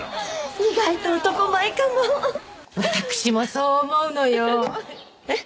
意外と男前かもわたくしもそう思うのよえっ